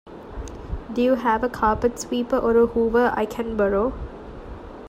Do you have a carpet sweeper or a Hoover I can borrow?